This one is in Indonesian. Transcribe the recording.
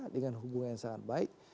dengan hubungan yang sangat baik